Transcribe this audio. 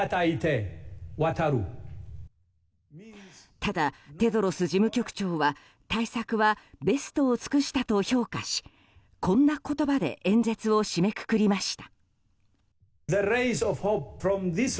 ただ、テドロス事務局長は対策はベストを尽くしたと評価しこんな言葉で演説を締めくくりました。